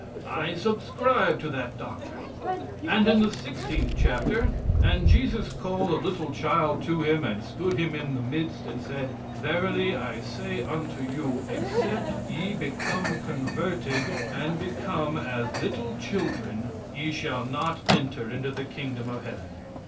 I subscribe to that doctrine. And in the sixteenth chapter: "And Jesus called a little child to Him and stood him in the midst, and said: 'Verily, I say unto you, except ye become converted, and become as little children, ye shall not enter into the Kingdom of Heaven.'"